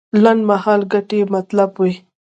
لنډمهالې ګټې یې مطلب وي.